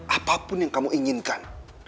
apapun yang kamu inginkan